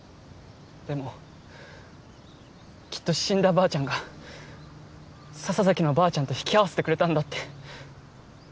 でもきっと死んだばあちゃんが笹崎のばあちゃんと引き合わせてくれたんだって。